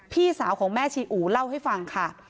พี่สาวของแม่ชีอู๋เล่าให้ฟังค่ะ